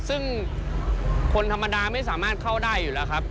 ซึ่งคนธรรมดาไม่สามารถเข้าได้อยู่แล้วครับ